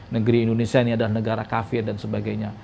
negeri indonesia ini adalah negara kafir dan sebagainya